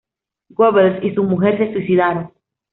Goebbels y su mujer se suicidaron.